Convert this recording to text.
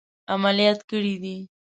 عملیات کړي دي.